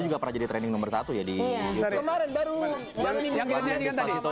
empat ratus empat ratus juga menjadi training nomor satu jadi kemarin baru yang kira kira